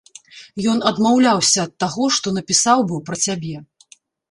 Ён адмаўляўся ад таго, што напісаў быў пра цябе.